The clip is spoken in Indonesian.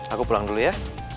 aku pulang dulu ya